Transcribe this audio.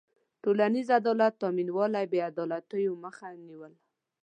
ټولنیز عدالت تأمینول او بېعدالتيو مخه نېول.